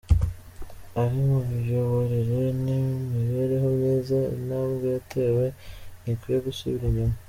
Ari mu miyoborere n’imibereho myiza, intambwe yatewe ntikwiye gusubira inyuma.